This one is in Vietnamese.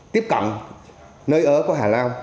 tiếp cận nơi ở của hà lao